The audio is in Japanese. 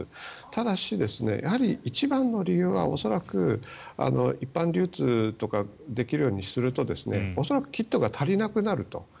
ただし、一番の理由は一般流通とかできるようにすると恐らくキットが足りなくなると。